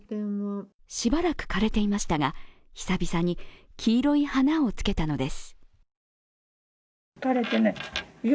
しばらく枯れていましたが久々に黄色い花をつけたのです。